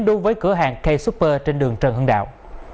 đối với cửa hàng k super trên đường trần hưng đạo